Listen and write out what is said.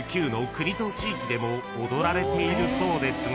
［でも踊られているそうですが］